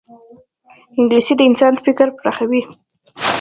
انګلیسي د انسان فکر پراخوي